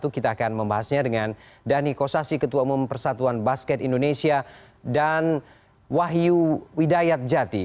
kita akan membahasnya dengan dhani kosasi ketua umum persatuan basket indonesia dan wahyu widayat jati